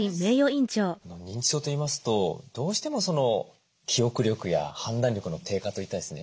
認知症といいますとどうしても記憶力や判断力の低下といったですね